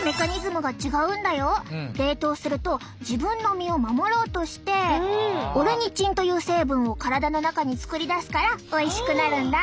冷凍すると自分の身を守ろうとしてオルニチンという成分を体の中に作り出すからおいしくなるんだ。